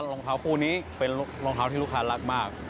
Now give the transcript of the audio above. รองเท้าคู่นี้เป็นรองเท้าที่ลูกค้ารักมาก